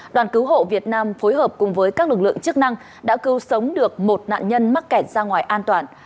đoàn cứu hộ việt nam phối hợp cùng với các lực lượng chức năng đã cứu sống được một nạn nhân mắc kẹt ra ngoài an toàn